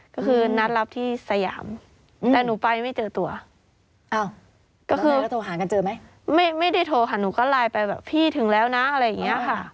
ก็คือพอโอนเงินมาปุ๊บหนูก็โอเคค่ะ